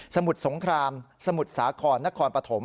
มุดสงครามสมุทรสาครนครปฐม